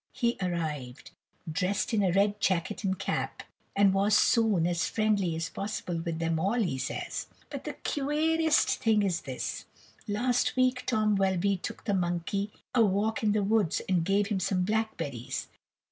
He arrived, dressed in a red jacket and cap, and was soon as friendly as possible with them all, he says. But the queerest thing is this. Last week Tom Welby took the monkey a walk in the woods and gave him some blackberries.